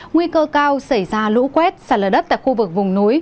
nguy cơ cao xảy ra lũ quét sạt lở đất tại khu vực vùng núi